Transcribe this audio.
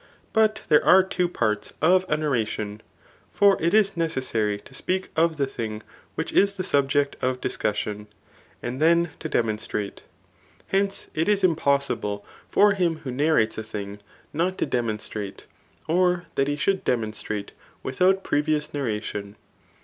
But there are two parts of an oration ; for it is necessary to speak of the thing which is the sut) CHAP. Xin. RHBTORIC. 23S ject of discussion, and thai to demonstrate. Hence, it is impossible for him who narrates a thing not to de^ monstrate, or that he should demonstrate without pre* vious narration.